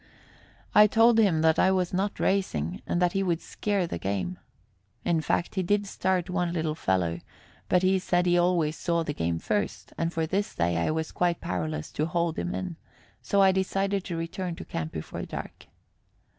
I told him that I was not racing and that he would scare the game. In fact, he did start one little fellow, but he said he always saw the game first, and for this day I was quite powerless to hold him in; so I decided to return to camp before dark.